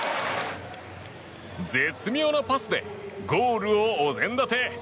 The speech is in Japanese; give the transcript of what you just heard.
絶妙なパスでゴールをお膳立て。